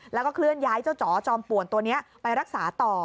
แล้วก็เคลื่อนย้ายเจ้าจ๋อจอมป่วนตัวนี้ไปรักษาต่อ